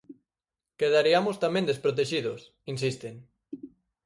"Quedariamos tamén desprotexidos", insisten.